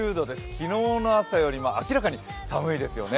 昨日の朝よりも明らかに寒いですよね。